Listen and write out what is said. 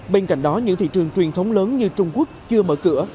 bên cạnh đó những thị trường truyền thống lớn như trung quốc chưa mở cửa